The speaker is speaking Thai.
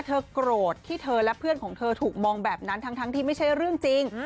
โกรธที่เธอและเพื่อนของเธอถูกมองแบบนั้นทั้งที่ไม่ใช่เรื่องจริง